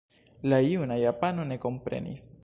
La juna japano ne komprenis.